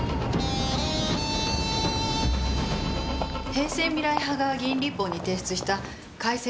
平成未来派が議員立法に提出した改正